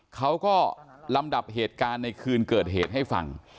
เขาก็ลำดับเหตุการณ์ในคืนเกิดเหตุให้ฟัง